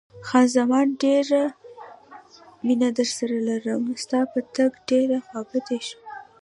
خان زمان: ډېره مینه درسره لرم، ستا په تګ ډېره خوابدې شوم.